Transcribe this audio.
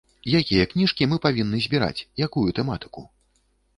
Якія кніжкі мы павінны збіраць, якую тэматыку?